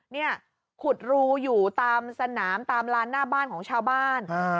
เนี่ยขุดรูอยู่ตามสนามตามลานหน้าบ้านของชาวบ้าน